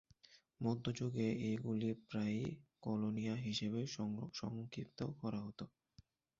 মধ্য যুগে, এইগুলি প্রায়ই "কলোনিয়া" হিসাবে সংক্ষিপ্ত করা হত।